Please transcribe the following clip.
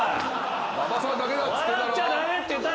馬場さんだけだっつってんだろ。